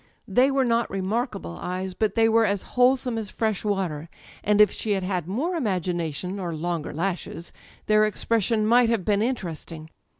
They were not remarkable eyes, but they were as wholesome as fresh water, and if she had had more imagination â€" or longer lashes â€" ^their expression might have been interesting.